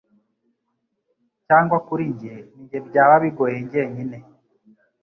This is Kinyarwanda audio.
cyangwa kuri njye nijye byaba bigoye ngenyine